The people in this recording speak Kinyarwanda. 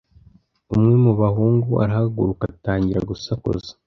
Umwe mu bahungu arahaguruka atangira gusakuza.